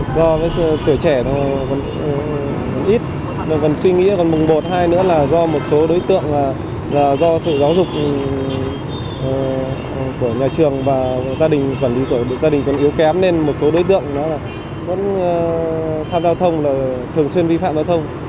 do cái tuổi trẻ còn ít còn suy nghĩ còn mùng một hai nữa là do một số đối tượng là do sự giáo dục của nhà trường và gia đình quản lý của gia đình còn yếu kém nên một số đối tượng nó vẫn tham giao thông là thường xuyên vi phạm giao thông